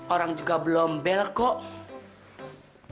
orang juga belombel kok